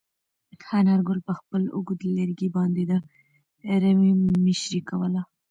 انارګل په خپل اوږد لرګي باندې د رمې مشري کوله.